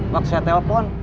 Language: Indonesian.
waktu saya telepon